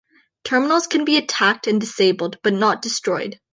Terminals can be attacked and disabled, but not destroyed.